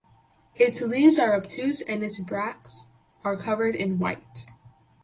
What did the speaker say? Its leaves are obtuse and its bracts are covered in white.